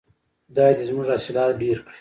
خدای دې زموږ حاصلات ډیر کړي.